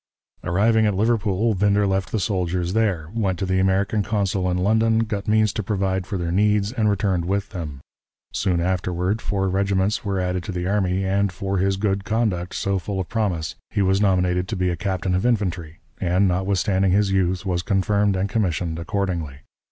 Arriving at Liverpool, Winder left the soldiers there, went to the American consul in London, got means to provide for their needs, and returned with them. Soon afterward, four regiments were added to the army, and, for his good conduct so full of promise, he was nominated to be a captain of infantry, and, notwithstanding his youth, was confirmed and commissioned accordingly.